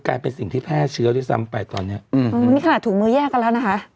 กลายเป็นสิ่งที่แพร่เชื้อด้วยซ้ำไปตอนเนี้ยอืมอ๋อนี่ขนาดถุงมือแยกกันแล้วนะคะ